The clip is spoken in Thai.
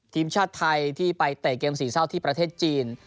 ทีมชาติไทยที่ไปเตะเกมสี่เศร้าที่ประเทศจีน